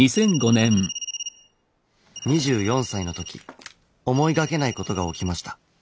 ２４歳の時思いがけないことが起きました。